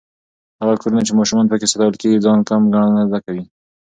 هغه کورونه چې ماشومان پکې ستايل کېږي، ځان کم ګڼل نه زده کوي.